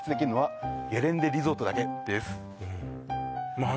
まあ